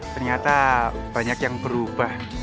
ternyata banyak yang berubah